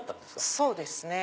そうですね。